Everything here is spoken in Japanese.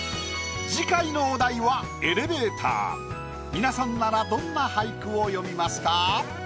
皆さんならどんな俳句を詠みますか？